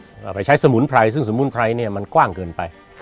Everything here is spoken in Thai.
อาจจะใช้สมุนไพรซึ่งสมุนไพรมันกว้างเกินไป